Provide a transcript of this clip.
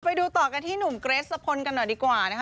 ไปดูต่อกันที่หนุ่มเกรสสะพลกันหน่อยดีกว่านะคะ